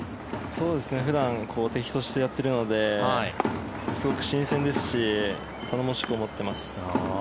普段敵としてやっているのですごく新鮮ですし頼もしく思っています。